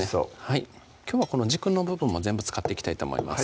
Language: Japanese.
きょうはこの軸の部分も全部使っていきたいと思います